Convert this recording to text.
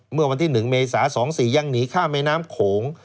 เมื่อวันที่๑เมษา๒๔ยังหนีข้ามแม่น้ำโขง